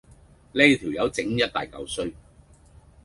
呢條友正一大嚿衰